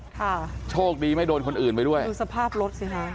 ค่ะโชคดีไม่โดนคนอื่นไปด้วยดูสภาพรถสิฮะ